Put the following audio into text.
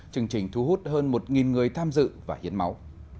chương trình thu hút hơn một người tham dự và hiến máu